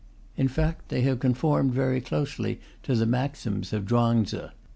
In fact, they have conformed very closely to the maxims of Chuang Tze.